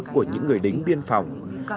của những người đính biên phòng